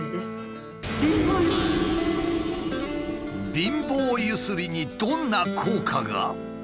貧乏ゆすりにどんな効果が？